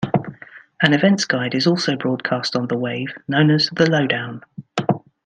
An events guide is also broadcast on The Wave, known as "The Lowdown".